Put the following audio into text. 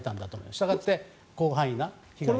したがって広範囲な被害と。